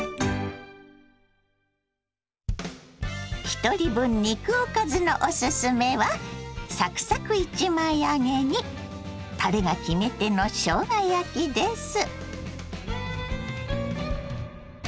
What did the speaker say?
ひとり分肉おかずのおすすめはサクサク１枚揚げにたれが決め手のしょうが焼きです。